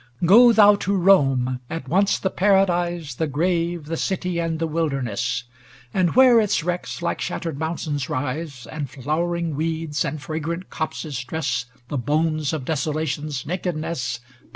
XLIX Go thou to Rome, ŌĆö at once the Para dise, The grave, the city, and the wilderness; And where its wrecks like shattered mountains rise. And flowering weeds and fragrant copses dress The bones of Desolation's nakedness.